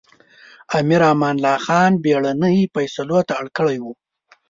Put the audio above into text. امیر امان الله خان بېړنۍ فېصلو ته اړ کړی و.